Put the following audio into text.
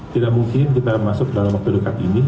tidak mungkin kita masuk dalam waktu dekat ini